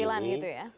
ya keterampilan gitu ya